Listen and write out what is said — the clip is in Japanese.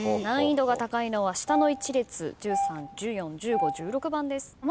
難易度が高いのは下の１列１３１４１５１６番です。